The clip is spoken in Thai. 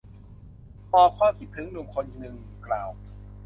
หมอก ความคิดถึง หนุ่มคนหนึ่งกล่าว